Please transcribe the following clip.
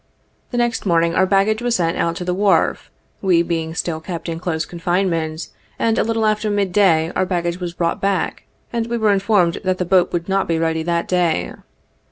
The next morning our baggage was sent out to the wharf, we being still kept in close confinement, and a little after mid day our baggage was brought back, and we were informed that the boat would not be ready that day.